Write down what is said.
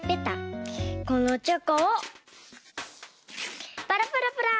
このチョコをパラパラパラ！